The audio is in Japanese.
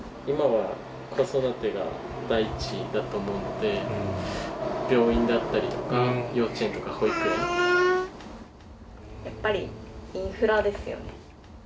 今は子育てが第一だと思うので、病院だったりとか、幼稚園とか保やっぱりインフラですよね。